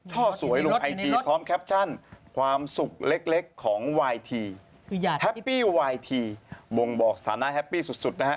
สวยลงไอจีพร้อมแคปชั่นความสุขเล็กของวายทีแฮปปี้วายทีบ่งบอกสถานะแฮปปี้สุดนะฮะ